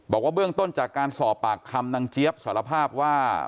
บอกว่าเบื้องต้นจากการสอบปากคำนางเจี๊ยบสารภาพว่า